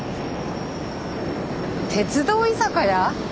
鉄道居酒屋？